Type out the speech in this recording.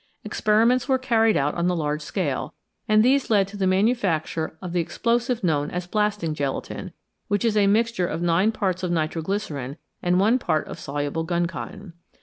Experiments were carried out on a large scale, and these led to the manufacture of the explosive known as blasting gelatine, which is a mixture of nine parts of nitro glycerine and one part of soluble gun cotton.